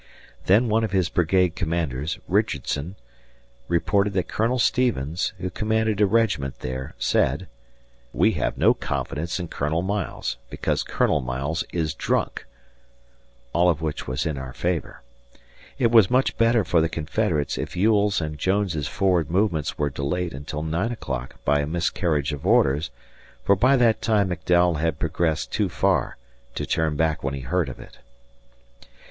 Then one of his brigade commanders, Richardson, reported that Colonel Stevens, who commanded a regiment there, said, "We have no confidence in Colonel Miles, because Colonel Miles is drunk;" all of which was in our favor. It was much better for the Confederates if Ewell's and Jones's forward movements were delayed until nine o'clock by a miscarriage of orders, for by that time McDowell had progressed too far to turn back when he heard of it.